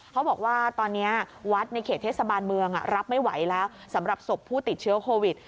เขาบอกว่าตอนนี้วัดในเขตเทศบาลเมืองรับไม่ไหวแล้วสำหรับศพผู้ติดเชื้อโควิด